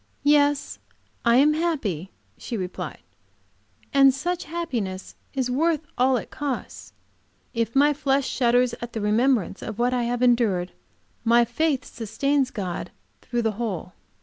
"Yes, I am happy," she replied, "and such happiness is worth all it costs. If my flesh shudders at the remembrance of what I have endured, my faith sustains God through the whole.